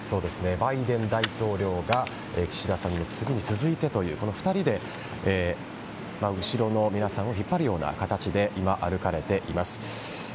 バイデン大統領が岸田総理の次に続いてというこの２人で、後ろの皆さんを引っ張るような形で今、歩かれています。